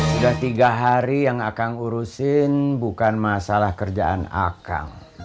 sudah tiga hari yang akang urusin bukan masalah kerjaan akang